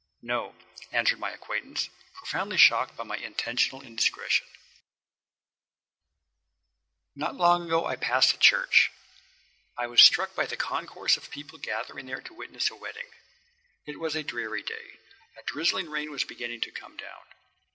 "No," answered my acquaintance, profoundly shocked by my intentional indiscretion. Not long ago I passed the Church of . I was struck by the concourse of people gathered there to witness a wedding. It was a dreary day. A drizzling rain was beginning to come down.